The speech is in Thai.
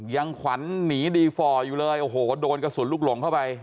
ยังขวัญหนีดีฟอร์อยู่เลยโอ้โหโดนกระสุนลูกหลงเข้าไป